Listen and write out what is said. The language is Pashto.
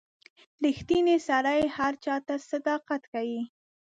• ریښتینی سړی هر چاته صداقت ښيي.